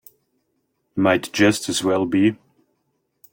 Might just as well be.